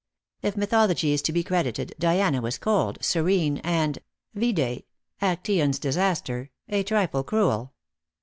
If mythology is to be credited, Diana was cold, serene and vide Actæon's disaster a trifle cruel.